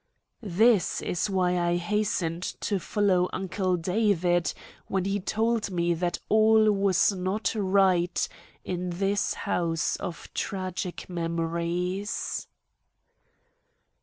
This is why I hastened to follow Uncle David when he told me that all was not right in this house of tragic memories.